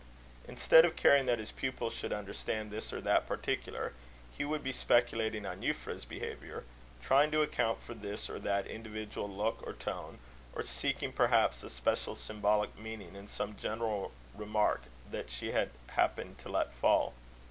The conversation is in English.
Instead of caring that his pupil should understand this or that particular, he would be speculating on Euphra's behaviour, trying to account for this or that individual look or tone, or seeking, perhaps, a special symbolic meaning in some general remark that she had happened to let fall.